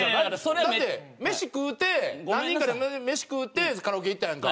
だって飯食うて何人かで飯食うてカラオケ行ったやんか。